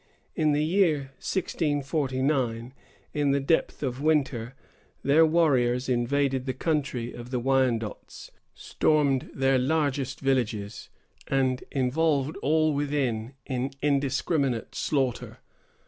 In the year 1649, in the depth of winter, their warriors invaded the country of the Wyandots, stormed their largest villages, and involved all within in indiscriminate slaughter.